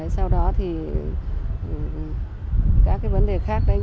sau đó thì các cái vấn đề khác đấy